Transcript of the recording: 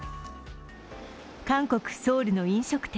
韓国・ソウルの飲食店。